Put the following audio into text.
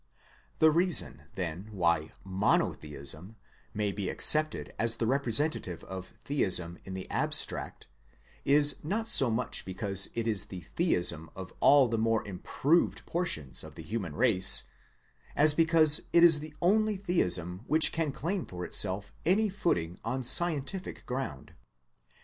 The reason, then, why Monotheism may be ac cepted as the representative of Theism in the abstract, is not so much because it is the Theism of all the more improved portions of the human race, as because it is the only Theism which can claim for itself any footing on scientific ground.